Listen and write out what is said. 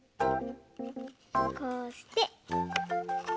こうして。